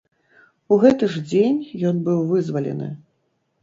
У гэты ж дзень ён быў вызвалены.